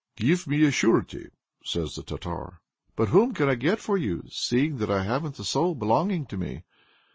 "Get me a surety," says the Tartar. "But whom can I get for you, seeing that I haven't a soul belonging to me?